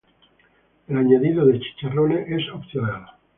El añadido de chicharrones es opcional.